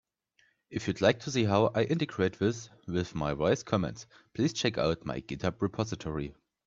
If you'd like to see how I integrate this with my voice commands, please check out my GitHub repository.